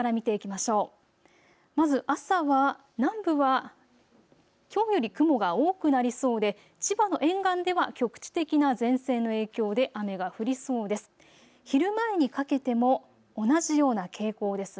まず朝は南部は、きょうより雲が多くなりそうで千葉の沿岸では局地的な前線の影響で雨が降りそうです。